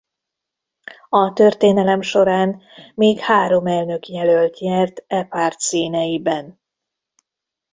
A történelem során még három elnökjelölt nyert e párt színeiben.